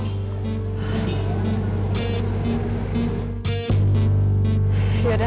yaudah gak apa apa deh